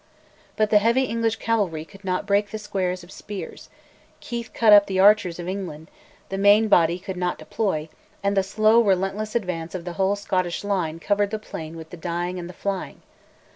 But the heavy English cavalry could not break the squares of spears; Keith cut up the archers of England; the main body could not deploy, and the slow, relentless advance of the whole Scottish line covered the plain with the dying and the flying.